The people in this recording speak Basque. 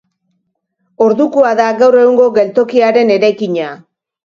Ordukoa da gaur egungo geltokiaren eraikina.